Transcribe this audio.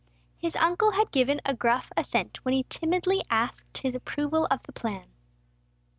His uncle had given a gruff assent, when he timidly asked his approval of the plan.